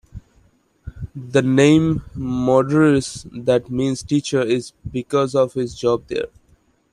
The name Modarres, that means "teacher", is because of his job there.